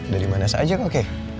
dari mana saja kak kay